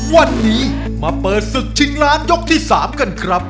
วันนี้มาเปิดศึกชิงล้านยกที่๓กันครับ